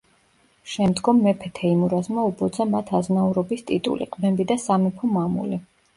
შემდგომ მეფე თეიმურაზმა უბოძა მათ აზნაურობის ტიტული, ყმები და სამეფო მამული.